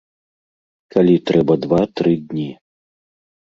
Калі трэба два, тры дні.